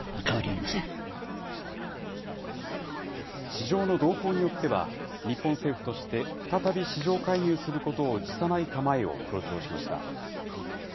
市場の動向によっては、日本政府として再び市場介入することを辞さない構えを強調しました。